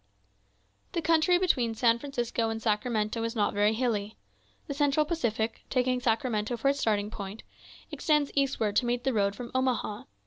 The country between San Francisco and Sacramento is not very hilly. The Central Pacific, taking Sacramento for its starting point, extends eastward to meet the road from Omaha.